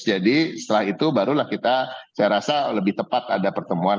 jadi setelah itu barulah kita saya rasa lebih tepat ada pertemuan